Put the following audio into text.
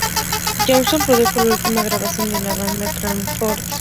Johnson produjo la última grabación de la banda, "Crazy world".